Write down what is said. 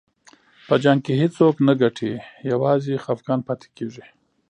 په جنګ کې هېڅوک نه ګټي، یوازې خفګان پاتې کېږي.